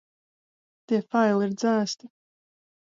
Tie faili ir dzēsti.